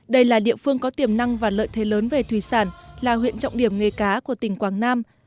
đây là địa phương có tiềm năng và lợi thế lớn về thủy sản là huyện trọng điểm nghề cá của tỉnh quảng nam